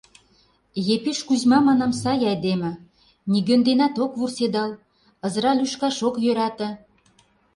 Епиш Кузьма, манам, сай айдеме, нигӧн денат ок вурседал, ызыра лӱшкаш ок йӧрате.